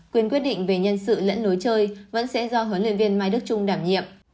quyền quyết định về nhân sự lẫn lối chơi vẫn sẽ do huấn luyện viên mai đức trung đảm nhiệm